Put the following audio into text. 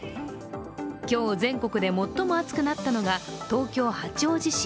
今日全国で最も暑くなったのが東京・八王子市。